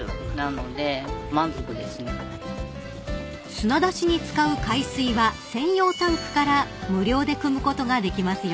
［砂出しに使う海水は専用タンクから無料でくむことができますよ］